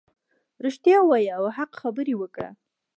رښتیا ووایه او حق خبرې وکړه .